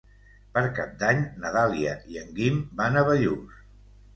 Per Cap d'Any na Dàlia i en Guim van a Bellús.